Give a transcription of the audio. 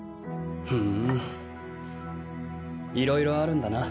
ふんいろいろあるんだな。